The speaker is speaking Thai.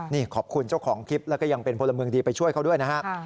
นี่ขอบคุณเจ้าของคลิปแล้วก็ยังเป็นพลเมืองดีไปช่วยเขาด้วยนะฮะ